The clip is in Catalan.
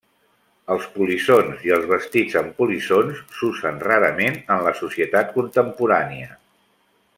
Els polissons i els vestits amb polisson s'usen rarament en la societat contemporània.